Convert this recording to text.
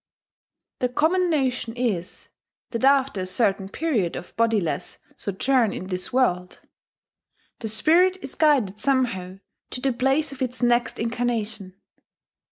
The common notion is that after a certain period of bodiless sojourn in this world, the spirit is guided somehow to the place of its next incarnation.